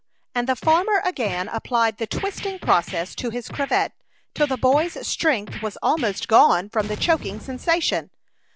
And the farmer again applied the twisting process to his cravat, till the boy's strength was almost gone from the choking sensation.